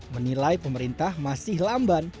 menilai pemerintah masih lamban